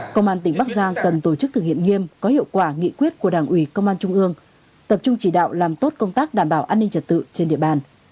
công an tỉnh bắc giang cần tổ chức thực hiện nghiêm có hiệu quả nghị quyết của đảng ủy công an trung ương tập trung chỉ đạo làm tốt công tác đảm bảo an ninh trật tự trên địa bàn